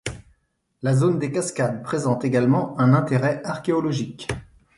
La zone des cascades présente également un intérêt archéologique.